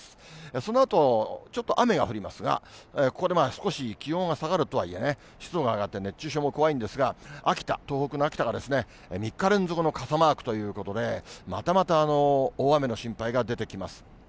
そのあと、ちょっと雨が降りますが、ここで少し気温が下がるとはいえね、湿度が上がって、熱中症も怖いんですが、秋田、東北の秋田が３日連続の傘マークということで、またまた大雨の心配が出てきます。